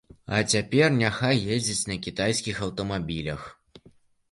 А цяпер няхай ездзяць на кітайскіх аўтамабілях.